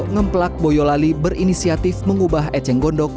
ngeplak boyolali berinisiatif mengubah eceng gondok